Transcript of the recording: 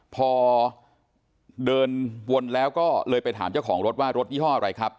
พอเดินวนแล้วก็เลยไปถามเจ้าของรถว่ารถยี่ห้ออะไรครับ